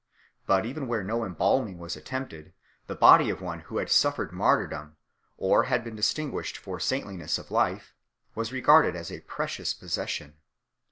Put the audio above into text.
But even where no embalming was attempted, the body of one who had suffered martyrdom or had been distinguished for saintli ness of life was regarded as a precious possession.